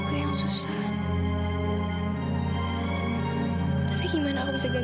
tapi gimana aku bisa ganti rugi kalau aku nggak punya kerjaan